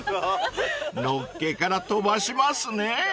［のっけから飛ばしますね］